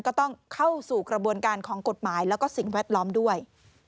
ก็ต้องเข้าสู่กระบวนการของกฎหมายแล้วก็สิ่งแวดล้อมด้วย